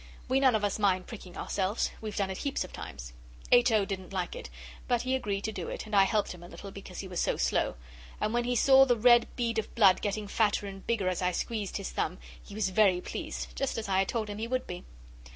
We none of us mind pricking ourselves; we've done it heaps of times. H. O. didn't like it, but he agreed to do it, and I helped him a little because he was so slow, and when he saw the red bead of blood getting fatter and bigger as I squeezed his thumb he was very pleased, just as I had told him he would be.